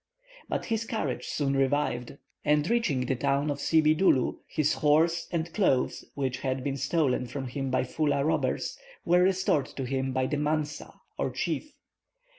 But his courage soon revived; and reaching the town of Sibidoulou, his horse and clothes, which had been stolen from him by Foulah robbers, were restored to him by the mansa, or chief.